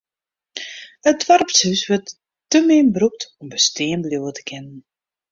It doarpshûs wurdt te min brûkt om bestean bliuwe te kinnen.